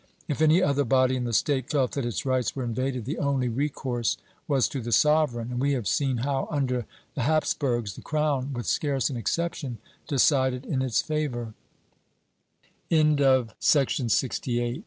If any other body in the State felt that its rights were invaded, the only recourse was to the sovereign and we have seen how. under the Hapsburgs, the crown, with scarce an exception, decided in its favor. ' Archive hist, nacional, Inq. de Valencia, Leg.